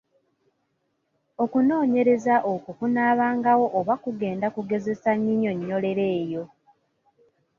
Okunoonyereza okwo kunaabangawo oba kugenda kugezesa nnyinnyonnyolero eyo.